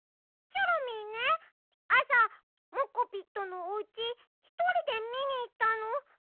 チョロミーねあさモコピットのおうちひとりでみにいったの。